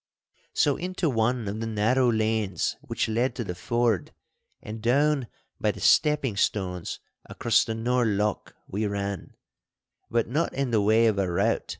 So into one of the narrow lanes which led to the ford and down by the stepping stones across the Nor' Loch we ran, but not in the way of a rout.